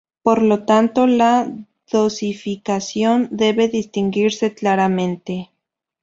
Por lo tanto, la dosificación debe distinguirse claramente.